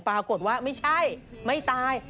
ปรากฏว่าไม่ใช่ไม่ตาย